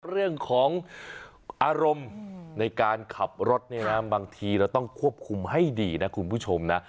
เรื่องของอารมณ์ในการขับรถเนี่ยนะบางทีเราต้องควบคุมให้ดีนะคุณผู้ชมนะ